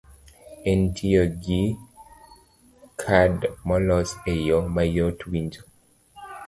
en tiyo gi kad molos e yo mayot winjo.